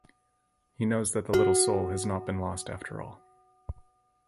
He knows that the little soul has not been lost after all.